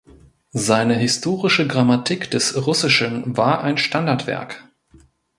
Seine historische Grammatik des Russischen war ein Standardwerk.